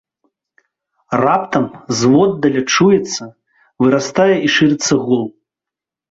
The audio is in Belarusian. Раптам зводдаля чуецца, вырастае і шырыцца гул.